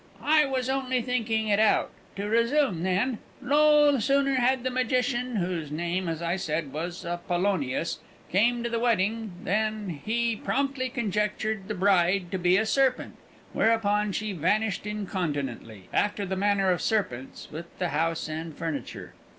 "I was only thinking it out. To resume, then. No sooner had the magician (whose name as I said was Apollonius) come to the wedding, than he promptly conjectured the bride to be a serpent; whereupon she vanished incontinently, after the manner of serpents, with the house and furniture."